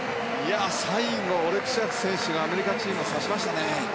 最後、オレクシアク選手がアメリカチームをさしましたね。